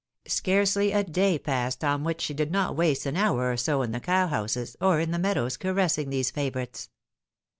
Scarcely a day passed on which she did not waste an hour or so in the cowhouses or in the meadows caressing these favourites.